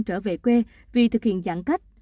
trở về quê vì thực hiện giãn cách